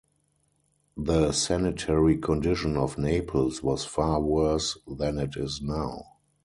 The sanitary condition of Naples was far worse than it is now.